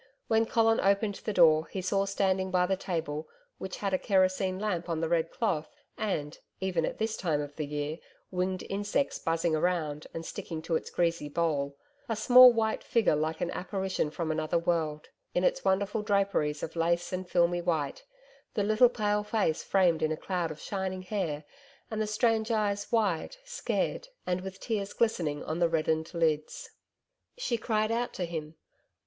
When Colin opened the door, he saw standing by the table, which had a kerosene lamp on the red cloth, and, even at this time of the year, winged insects buzzing around, and sticking to its greasy bowl a small white figure like an apparition from another world, in its wonderful draperies of lace and filmy white, the little pale face framed in a cloud of shining hair, and the strange eyes wide, scared, and with tears glistening on the reddened lids. She cried out at him.